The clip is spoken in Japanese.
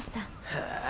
へえ。